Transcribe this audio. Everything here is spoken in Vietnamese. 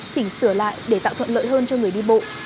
chỉnh sửa lại để tạo thuận lợi hơn cho người đi bộ